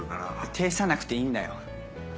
呈さなくていいんだよ。